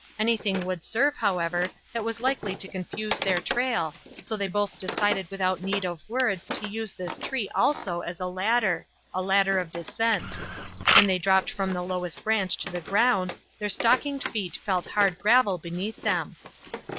Anything would serve, however, that was likely to confuse their trail, so they both decided without need of words to use this tree also as a ladder a ladder of descent. When they dropped from the lowest branch to the ground their stockinged feet felt hard gravel beneath them.